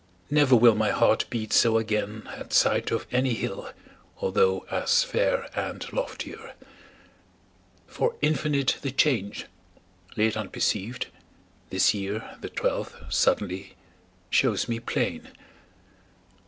Never will My heart beat so again at sight Of any hill although as fair And loftier. For infinite The change, late unperceived, this year, The twelfth, suddenly, shows me plain.